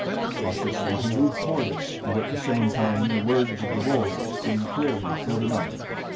Cautiously he moved toward it, and at the same time the words of the voice came clearly through the night